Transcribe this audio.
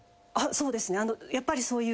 そうですね。